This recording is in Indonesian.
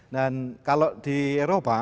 dan kalau di eropa